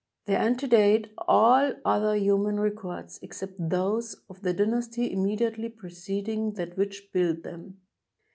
They antedate all other human records, except those of the dynasty immediately preceding that which built them.